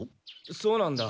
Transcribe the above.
そうなんだ。